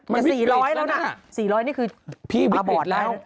มันวิกฤตแล้วนะ๔๐๐นี่คืออบอร์ดนะพี่วิกฤตแล้ว